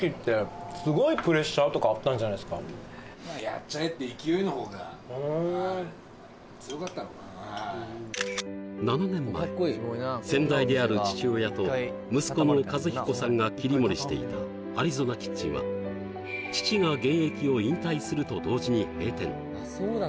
ある世界ではもういやでもこれ７年前先代である父親と息子の一彦さんが切り盛りしていたアリゾナキッチンは父が現役を引退すると同時に閉店